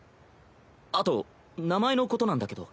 あと名前のことなんだけど。